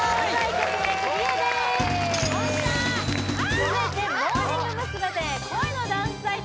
続いてモーニング娘。で「恋のダンスサイト」